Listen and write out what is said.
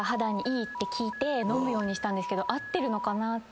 飲むようにしたんですけど合ってるのかなって。